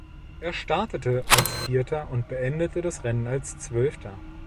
Er startete als Vierter und beendete das Rennen als Zwölfter.